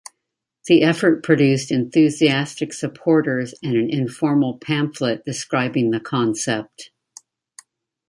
The effort produced enthusiastic supporters and an informal pamphlet describing the concept.